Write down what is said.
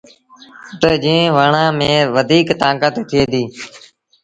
تا جين وڻآݩ ميݩ وڌيٚڪ تآݩڪت ٿئي ديٚ۔